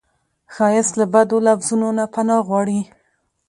ښایست له بدو لفظونو نه پناه غواړي